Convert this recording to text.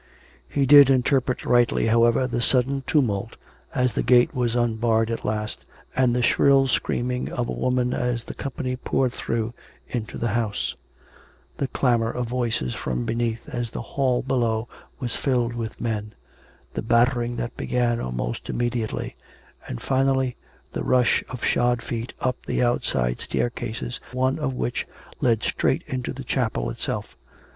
He did interpret rightly, however, the sudden tumult as the gate was unbarred at last, and the shrill screaming of a woman as the company poured through into the house; the clamour of voices from beneath as the hall below was filled with men; the battering that began almost imme diately; and, finally, the rush of shod feet up the outside staircases, one of which led straight into the chapel itself.